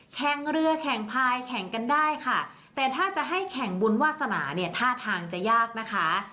แข่งเรือแข่งพายแข่งกันได้ค่ะแต่ถ้าจะให้แข่งบุญวาสนาเนี่ยท่าทางจะยากนะคะ